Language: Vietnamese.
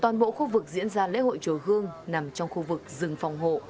toàn bộ khu vực diễn ra lễ hội chùa hương nằm trong khu vực rừng phòng hộ